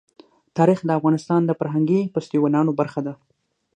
تاریخ د افغانستان د فرهنګي فستیوالونو برخه ده.